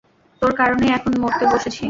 তোর কারণেই এখন মরতে বসেছি।